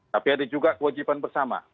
tapi ada juga kewajiban bersama